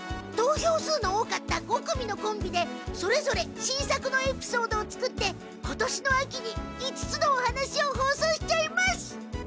投票数の多かった５組のコンビでそれぞれ新作のエピソードを作って今年の秋に５つのお話を放送しちゃいます！